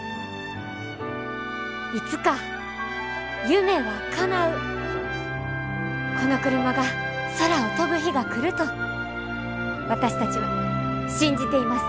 いつか夢はかなうこのクルマが空を飛ぶ日が来ると私たちは信じています。